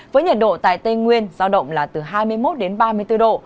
với nhiệt độ tại tây nguyên giao động là từ hai mươi một đến ba mươi bốn độ